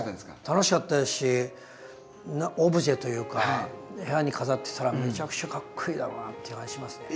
楽しかったですしオブジェというか部屋に飾ってたらめちゃくちゃかっこイイだろうなっていう感じしますね。